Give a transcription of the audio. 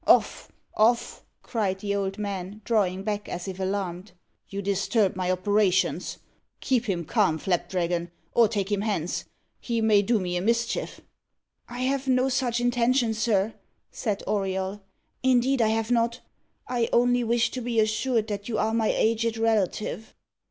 "Off off!" cried the old man, drawing back as if alarmed. "You disturb my operations. Keep him calm, Flapdragon, or take him hence. He may do me a mischief." "I have no such intention, sir," said Auriol; "indeed I have not. I only wish to be assured that you are my aged relative."